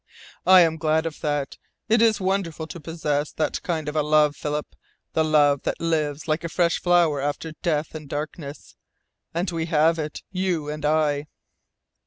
I am glad of that. It is wonderful to possess that kind of a love, Philip! the love that lives like a fresh flower after death and darkness. And we have it you and I."